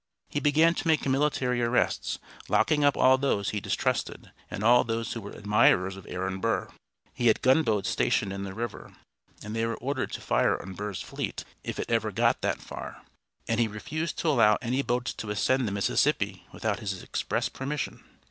He began to make military arrests, locking up all those he distrusted, and all those who were admirers of Aaron Burr. He had gunboats stationed in the river, and they were ordered to fire on Burr's fleet if it ever got that far, and he refused to allow any boats to ascend the Mississippi without his express permission.